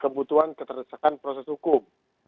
kebutuhan keterdekaan proses hukum